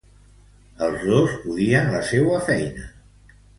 Els dos odien la seua faena.